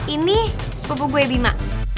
ini sepupu gue bima